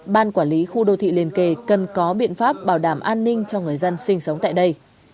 ban quản lý khu đô thị liên kề cần có biện pháp bảo đảm an ninh cho người dân sinh sống tại đây